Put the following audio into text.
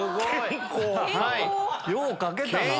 よう書けたな。